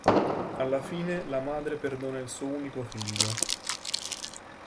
Alla fine, la madre perdona il suo unico figlio.